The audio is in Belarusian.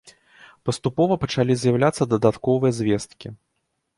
Паступова пачалі з'яўляцца дадатковыя звесткі.